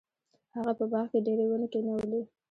هغه په باغ کې ډیرې ونې کینولې.